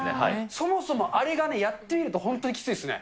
そもそも、あれがね、やってみると、本当にきついっすね。